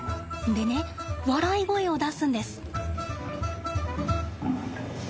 でね笑い声を出すんです。